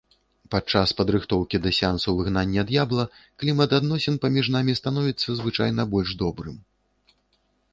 Падчас падрыхтоўкі да сеансу выгнання д'ябла клімат адносін паміж намі становіцца звычайна больш добрым.